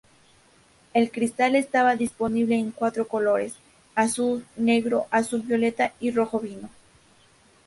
El cristal estaba disponible en cuatro colores: azul, negro, azul violeta y rojo vino.